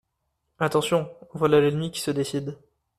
Attention ! voilà l'ennemi qui se décide.